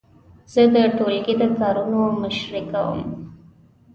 زه د ټولګي د کارونو مشري کوم.